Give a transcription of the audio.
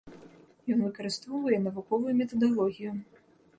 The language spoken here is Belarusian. Ён выкарыстоўвае навуковую метадалогію.